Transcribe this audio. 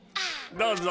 どうぞ。